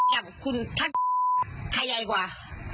กับคุณท่านใครใหญ่กว่า